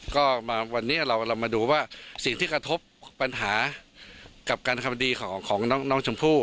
ก็มาวันนี้เรามาดูว่าสิ่งที่กระทบปัญหากับการทำดีของน้องชมพู่